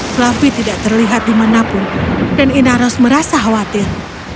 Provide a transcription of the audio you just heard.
fluffy tidak terlihat dimanapun dan inaros merasa khawatir